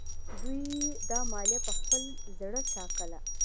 دوی دا مالیه په خپل زړه ټاکله.